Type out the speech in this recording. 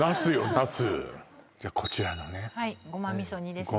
ナスじゃあこちらのねはいゴマ味噌煮ですね